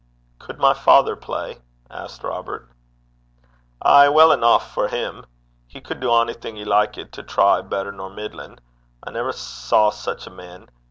'Cud my father play?' asked Robert. 'Ay, weel eneuch for him. He could do onything he likit to try, better nor middlin'. I never saw sic a man.